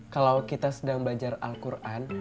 kalau kita sedang belajar al quran